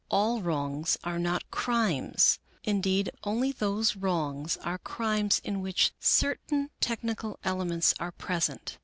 All wrongs are not crimes. Indeed only those wrongs are crimes in which certain technical elements are present.